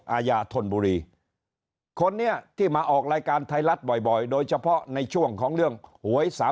อาญาธนบุรีคนนี้ที่มาออกรายการไทยรัฐบ่อยโดยเฉพาะในช่วงของเรื่องหวย๓๐